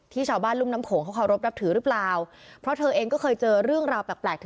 ชาวบ้านรุ่มน้ำโขงเขาเคารพนับถือหรือเปล่าเพราะเธอเองก็เคยเจอเรื่องราวแปลก